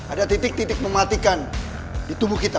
ada titik titik mematikan di tubuh kita